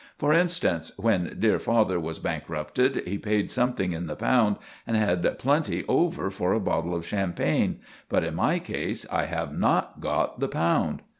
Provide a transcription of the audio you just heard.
For instance, when dear father was bankrupted he paid something in the pound and had plenty over for a bottle of champagne; but in my case I have not got the pound.